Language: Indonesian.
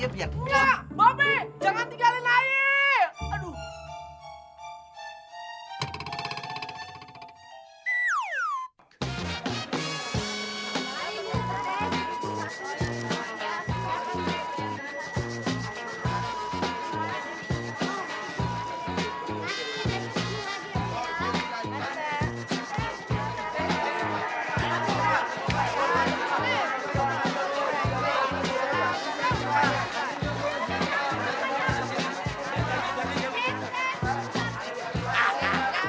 iya biarin aja dia biar